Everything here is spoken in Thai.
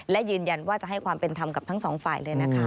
และยืนยันว่าจะให้ความเป็นธรรมกับทั้งสองฝ่ายเลยนะคะ